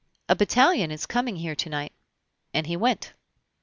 "A battalion is coming here to night." And he went.